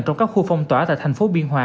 trong các khu phong tỏa tại thành phố biên hòa